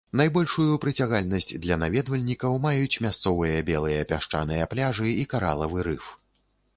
Найбольшую прыцягальнасць для наведвальнікаў маюць мясцовыя белыя пясчаныя пляжы і каралавы рыф.